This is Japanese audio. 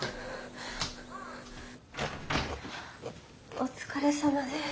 お疲れさまです。